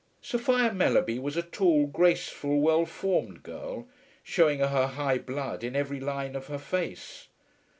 Sophia Mellerby was a tall, graceful, well formed girl, showing her high blood in every line of her face.